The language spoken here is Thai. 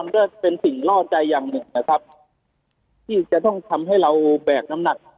ก็เป็นสิ่งล่อใจอย่างหนึ่งนะครับที่จะต้องทำให้เราแบกน้ำหนัก